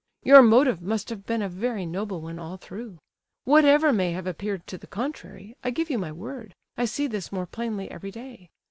Your motive must have been a very noble one all through. Whatever may have appeared to the contrary, I give you my word, I see this more plainly every day.